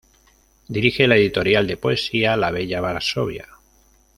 Dirige la editorial de poesía La Bella Varsovia.